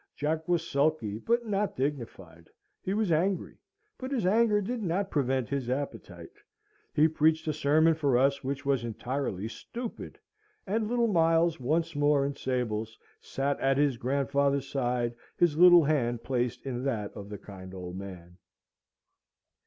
Jack was sulky, but not dignified. He was angry, but his anger did not prevent his appetite. He preached a sermon for us which was entirely stupid. And little Miles, once more in sables, sate at his grandfather's side, his little hand placed in that of the kind old man.